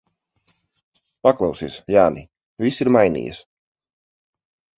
Paklausies, Jāni, viss ir mainījies.